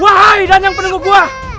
wahai dan yang penuh gua